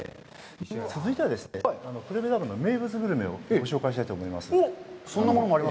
続いてはですね、黒部ダムの名物グルメをご紹介したいと思いますので。